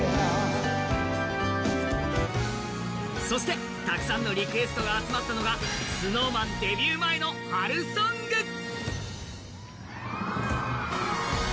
そして、たくさんのリクエストが集まったのがＳｎｏｗＭａｎ、デビュー前の春ソング。